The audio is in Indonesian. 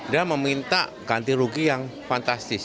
dan meminta ganti rugi yang fantastis